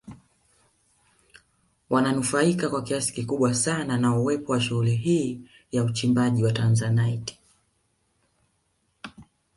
Wananufaika kwa kiasi kikubwa sana na uwepo wa shughuli hii ya uchimbaji wa Tanzanite